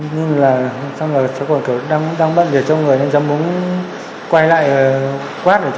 nhưng là cháu còn kiểu đang bận để cho người nên cháu muốn quay lại quát